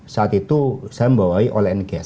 saat itu saya membawai oleh and gas